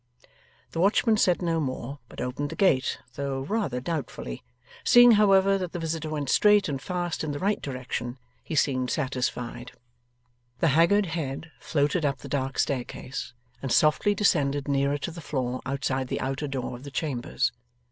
The watchman said no more, but opened the gate, though rather doubtfully. Seeing, however, that the visitor went straight and fast in the right direction, he seemed satisfied. The haggard head floated up the dark staircase, and softly descended nearer to the floor outside the outer door of the chambers.